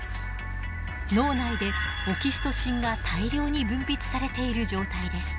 脳内でオキシトシンが大量に分泌されている状態です。